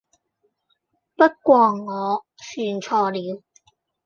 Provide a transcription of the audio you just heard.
不過我算錯了